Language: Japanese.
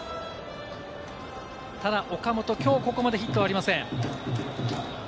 ただ岡本、きょうここまでヒットはありません。